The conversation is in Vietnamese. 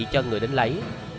cho người đến lấy